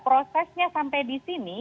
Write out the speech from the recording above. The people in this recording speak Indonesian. prosesnya sampai di sini